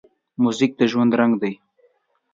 موزیک د ژوند رنګ دی.